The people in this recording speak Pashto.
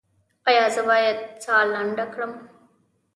ایا زه باید ساه لنډه کړم؟